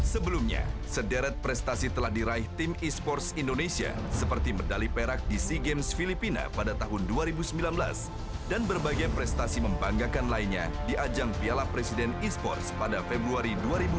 sebelumnya sederet prestasi telah diraih tim e sports indonesia seperti medali perak di sea games filipina pada tahun dua ribu sembilan belas dan berbagai prestasi membanggakan lainnya di ajang piala presiden e sports pada februari dua ribu dua puluh